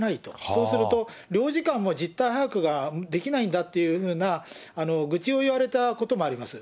そうすると、領事館も実態把握ができないんだっていうふうな愚痴を言われたこともあります。